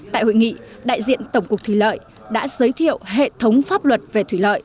tại hội nghị đại diện tổng cục thủy lợi đã giới thiệu hệ thống pháp luật về thủy lợi